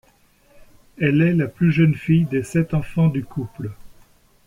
Elle est la plus jeune fille des sept enfants du couple.